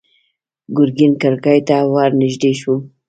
ګرګين کړکۍ ته ور نږدې شو.